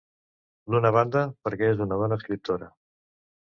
D'una banda, perquè és una dona escriptora.